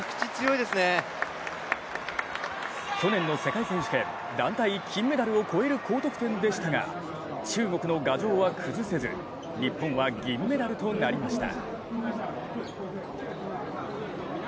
去年の世界選手権、団体金メダルを超える高得点でしたが中国の牙城は崩せず日本は銀メダルとなりました。